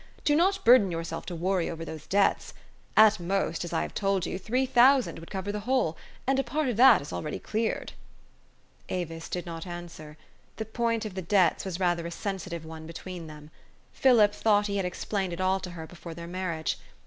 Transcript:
Do not burden yourself to worry over those debts. At most, as I have told you, three thousand would cover the whole, and a part of that is already cleared." Avis did not answer. This point of the debts was rather a sensitive one between them. Philip thought he had explained it all to her before their marriage.